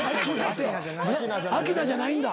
明菜じゃないんだ。